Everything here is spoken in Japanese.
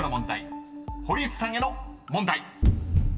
［堀内さんへの問題］